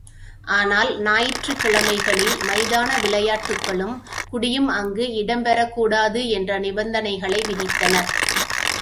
ஆனால் ஞாயிற்றுக்கிழமைகளில் மைதான விளையாட்டுக்களும், குடியும் அங்கு இடம் பெறக் கூடாது என்ற நிபந்தனைகளை விதித்தனர்.